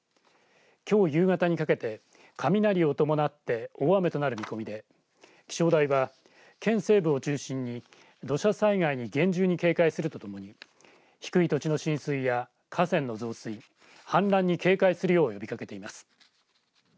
きょう夕方にかけて雷を伴って大雨となる見込みで気象台は、県西部を中心に土砂災害に厳重に警戒するとともに低い土地の浸水や河川の増水氾濫に警戒するよう呼びかけています。